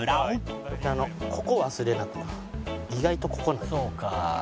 ここ忘れなく意外とここなんよ。